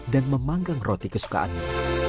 dan memanggang roti kesukaannya